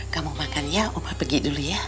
kamu makan ya oma pergi dulu ya